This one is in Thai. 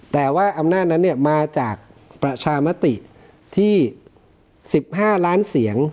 แต่ว่าอำนาจนั้นมาจากประชามติที่๑๕ล้านเสียง